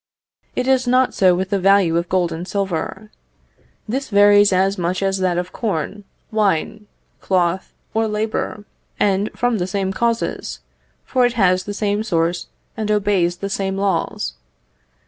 It is not so with the value of gold and silver. This varies as much as that of corn, wine, cloth, or labour, and from the same causes, for it has the same source and obeys the same laws.